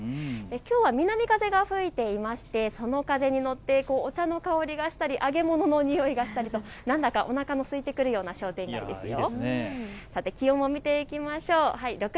きょうは南風が吹いていましてその風に乗ってお茶の香りがしたり揚げ物のにおいがしたりと何だかおなかがすいてくるような商店街ですよ。